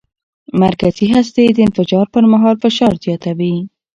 مرکزي هستي د انفجار پر مهال فشار زیاتوي.